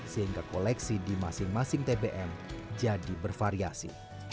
sehingga koleksi di masing masing tbm jadi bervariasi